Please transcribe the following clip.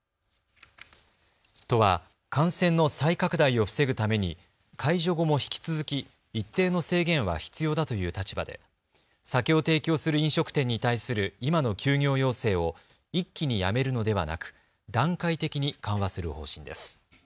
都は感染の再拡大を防ぐために解除後も引き続き一定の制限は必要だという立場で酒を提供する飲食店に対する今の休業要請を一気にやめるのではなく段階的に緩和する方針です。